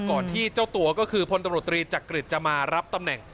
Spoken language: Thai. ที่เจ้าตัวก็คือพลตำรวจตรีจักริตจะมารับตำแหน่ง